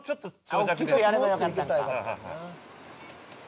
「大きくやればよかったんか」